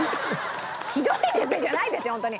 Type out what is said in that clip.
「ひどいですね」じゃないですよホントに。